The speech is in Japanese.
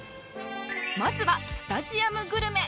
まずはスタジアムグルメ！